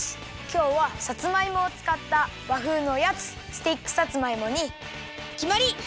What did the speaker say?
きょうはさつまいもをつかったわふうのおやつスティックさつまいもにきまり！